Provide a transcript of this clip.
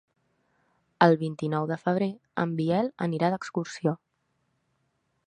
El vint-i-nou de febrer en Biel anirà d'excursió.